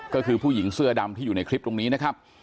ก็คือผู้หญิงเสื้อดำที่อยู่ในคลิปตรงนี้นะครับ